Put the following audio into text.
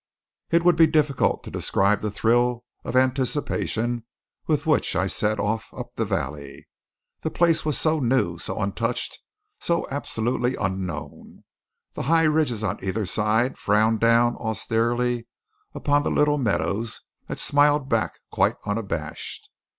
It would be difficult to describe the thrill of anticipation with which I set off up the valley. The place was so new, so untouched, so absolutely unknown. The high ridges on either side frowned down austerely on the little meadows that smiled back quite unabashed.